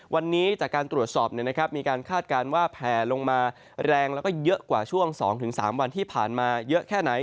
วันนี้จากการตรวจสอบมีการคาดการณ์ว่าแผลลงมาแรงแล้วก็เยอะกว่าช่วง๒๓วันที่ผ่านมาเยอะแค่ไหน